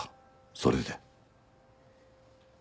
それで。